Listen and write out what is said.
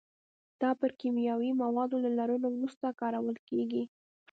دا پر کیمیاوي موادو له لړلو وروسته کارول کېږي.